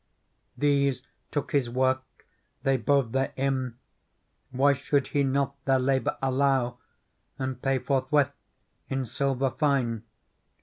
These took His work, they bode therein ; Why should He not their labour allow And pay forthwith in silver fine